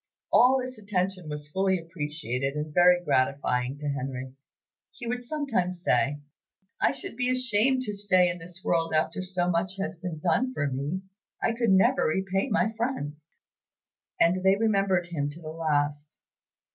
All this attention was fully appreciated and very gratifying to Henry. He would sometimes say, 'I should be ashamed to stay in this world after so much has been done for me. I could never repay my friends.' And they remembered him to the last.